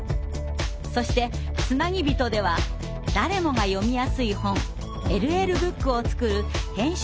そして「つなぎびと」では誰もが読みやすい本「ＬＬブック」を作る編集者の思いに迫ります。